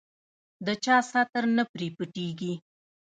د چا ستر نه پرې پټېږي.